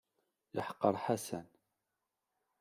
Yeḥqer Ḥasan.